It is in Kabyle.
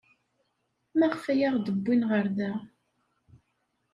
Maɣef ay aɣ-d-wwin ɣer da?